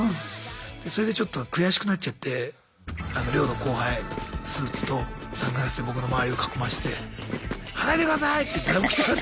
それでちょっと悔しくなっちゃって寮の後輩スーツとサングラスで僕の周りを囲まして「離れてください！」